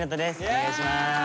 お願いします。